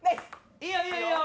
いいよいいよいいよ！